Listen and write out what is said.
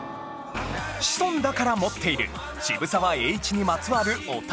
シソンだから持っている渋沢栄一にまつわるお宝